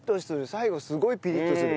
最後すごいピリッとする。